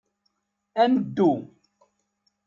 Ad neddu.